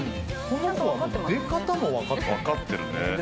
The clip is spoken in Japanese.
この子は出方も分かってる。